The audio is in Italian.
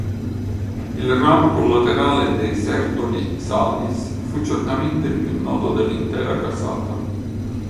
Il ramo collaterale dei Sertoli Salis fu certamente il più noto dell'intera casata.